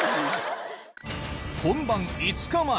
本番５日前。